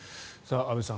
安部さん